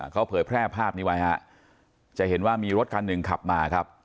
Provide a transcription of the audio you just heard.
เขาเผยแพร่ภาพนี้ไว้ฮะจะเห็นว่ามีรถคันหนึ่งขับมาครับ